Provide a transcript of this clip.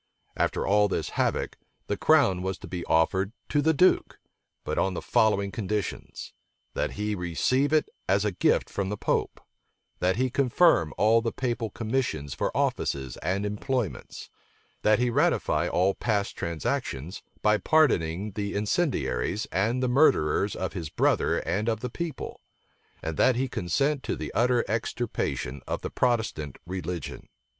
After all this havoc, the crown was to be offered to the duke, but on the following conditions: that he receive it as a gift from the pope; that he confirm all the papal commissions for offices and employments; that he ratify all past transactions, by pardoning the incendiaries, and the murderers of his brother and of the people; and that he consent to the utter extirpation of the Protestant religion.